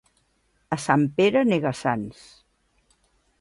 A Sant Pere, nega-sants.